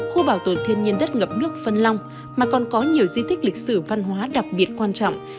khu bảo tồn thiên nhiên đất ngập nước phân long mà còn có nhiều di tích lịch sử văn hóa đặc biệt quan trọng